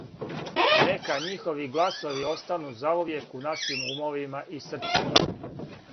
Нека њихови гласови остану заувијек у нашим умовима и срцима.